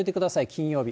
金曜日。